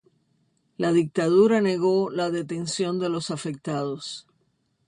La dictadura negó la detención de los afectados.